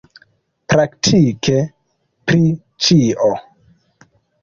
Praktike pri ĉio.